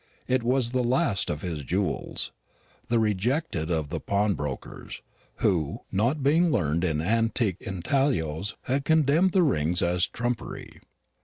It was the last of his jewels the rejected of the pawnbrokers, who, not being learned in antique intaglios, had condemned the ring as trumpery.